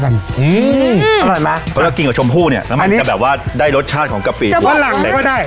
เพราะว่ากินกับชมพู่เนี่ยมันจะแบบว่าได้รสชาติของกะปิอัวลั่งได้